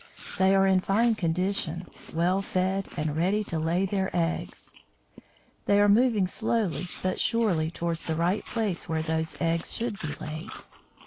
They are in fine condition, well fed, and ready to lay their eggs. They are moving slowly but surely towards the right place where those eggs should be laid.